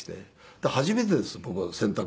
だから初めてです僕は洗濯。